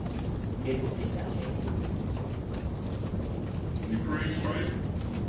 継続的な支援を呼びかけました。